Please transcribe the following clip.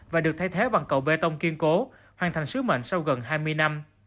và được thay thế bằng cầu bê tông kiên cố hoàn thành sứ mệnh sau gần hai mươi năm